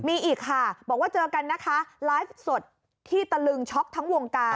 มีอีกค่ะบอกว่าเจอกันนะคะไลฟ์สดที่ตะลึงช็อกทั้งวงการ